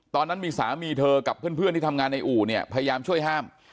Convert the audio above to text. ตอนนั้นมีสามีเธอกับเพื่อนที่ทำงานในอู่เนี่ยพยายามช่วยห้าม